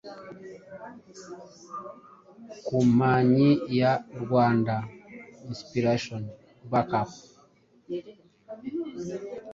Kompanyi ya ’Rwanda Inspiration Back Up’